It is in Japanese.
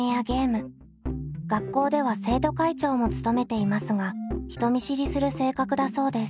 学校では生徒会長も務めていますが人見知りする性格だそうです。